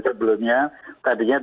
itu turun dari dua belas persen